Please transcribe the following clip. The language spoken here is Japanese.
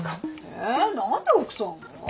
え何で奥さんが？